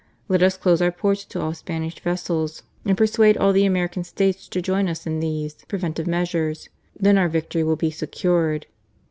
Let us close our ports to all Spanish vessels, and persuade all the American States to join us in these THE AVENGER. 33 preventive measures — then our victory will be secured."